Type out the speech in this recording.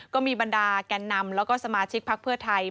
ก็มีบรรดาแก่นำแล้วก็สมาชิกพักเพื่อไทย